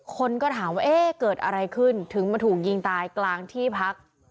คนก็ถามว่าเอ๊ะเกิดอะไรขึ้นถึงมาถูกยิงตายกลางที่พัก